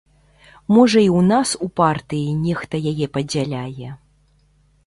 Можа і ў нас у партыі нехта яе падзяляе.